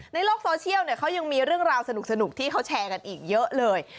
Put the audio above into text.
ในโลกโซเชียลเขายังมีเรื่องราวสนุกที่เขาแชร์กันอีกเยอะเลย